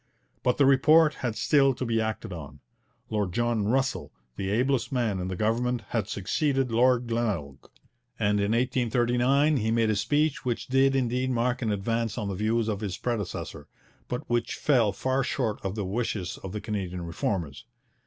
But the report had still to be acted on. Lord John Russell, the ablest man in the government, had succeeded Lord Glenelg, and in 1839 he made a speech which did indeed mark an advance on the views of his predecessor, but which fell far short of the wishes of the Canadian Reformers.